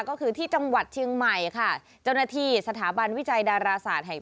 ก็คือที่จังหวัดเชียงใหม่ค่ะเจ้าหน้าที่สถาบันวิจัยดาราศาสตร์แห่ง